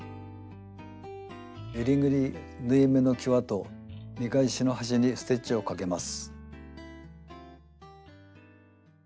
えりぐり縫い目のきわと見返しの端にステッチをかけます。